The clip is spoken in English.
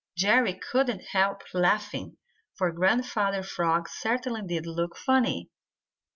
Jerry couldn't help laughing, for Grandfather Frog certainly did look funny.